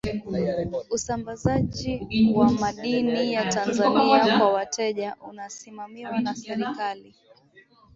usambazaji wa madini ya tanzania kwa wateja unasimamiwa na serikali